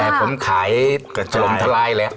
แต่ผมขายทะลมทะลายเลย